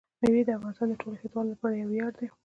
مېوې د افغانستان د ټولو هیوادوالو لپاره یو ویاړ دی.